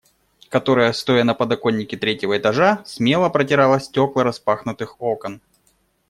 Которая, стоя на подоконнике третьего этажа, смело протирала стекла распахнутых окон.